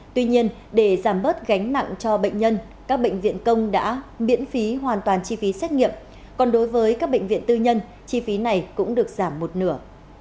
tuy nhiên để giảm bớt gánh nặng cho bệnh nhân các bệnh viện công đã miễn phí hoàn toàn chi phí xét nghiệm còn đối với các bệnh viện tư nhân chi phí này cũng được giảm một nửa